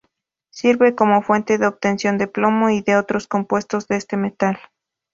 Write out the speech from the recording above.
Sirve como fuente de obtención de plomo y de otros compuestos de este metal.